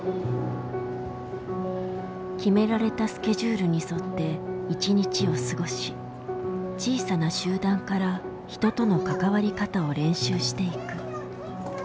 決められたスケジュールに沿って１日を過ごし小さな集団から人との関わり方を練習していく。